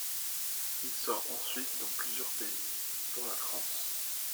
Il sort ensuite dans plusieurs pays, dont la France.